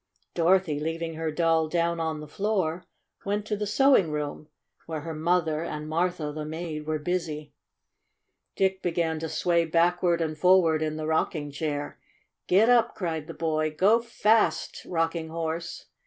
Dorothy, leaving her doll down on the floor, went to the sewing room, where her mother and Martha, the maid, were busy. 116 STORY OF A SAWDUST DOLL Dick began to sway backward and for ward in the rocking chair. "Gid dap!" cried the boy. "Go fast, Rocking Horse